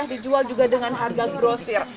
dijual juga dengan harga grosir